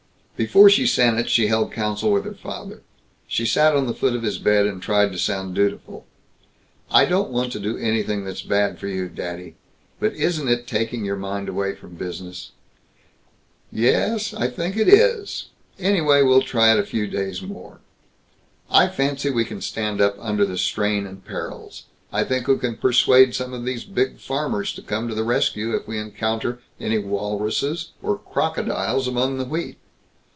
Before she sent it she held council with her father. She sat on the foot of his bed and tried to sound dutiful. "I don't want to do anything that's bad for you, daddy. But isn't it taking your mind away from business?" "Ye es, I think it is. Anyway, we'll try it a few days more." "I fancy we can stand up under the strain and perils. I think we can persuade some of these big farmers to come to the rescue if we encounter any walruses or crocodiles among the wheat.